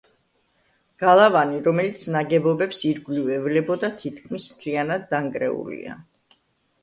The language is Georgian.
გალავანი, რომელიც ნაგებობებს ირგვლივ ევლებოდა, თითქმის მთლიანად დანგრეულია.